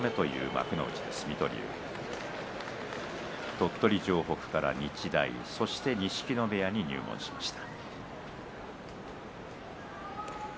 鳥取城北から日大そして錦戸部屋に入門しました。